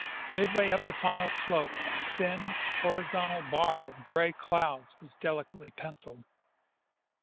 Midway up the final slope a thin, hori zontal bar of gray clouds was delicately penciled.